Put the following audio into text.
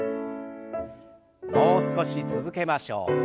もう少し続けましょう。